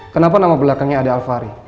kenapa nama belakangnya ada alvari